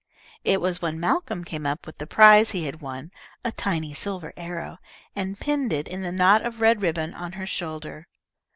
It was when Malcolm came up with the prize he had won, a tiny silver arrow, and pinned it in the knot of red ribbon on her shoulder.